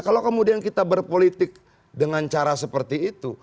kalau kemudian kita berpolitik dengan cara seperti itu